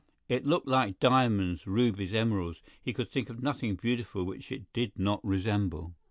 It looked like diamonds, rubies, emeralds; he could think of nothing beautiful which it did not resemble.